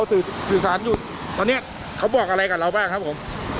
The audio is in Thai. วุ้อครับชุดมูลชม